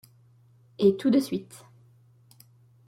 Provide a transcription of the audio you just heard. Et tout de suite !